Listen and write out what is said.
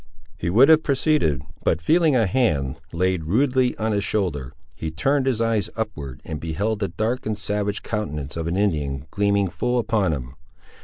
He would have proceeded; but feeling a hand laid rudely on his shoulder, he turned his eyes upward, and beheld the dark and savage countenance of an Indian gleaming full upon him.